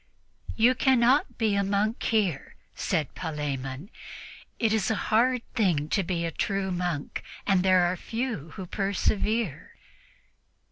"You cannot be a monk here," said Palemon. "It is a hard thing to be a true monk, and there few who persevere."